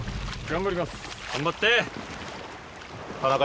頑張って！